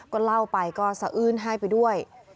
ก็เล่าไปก็สะอื้นให้ไปด้วย